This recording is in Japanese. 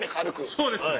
そうですね。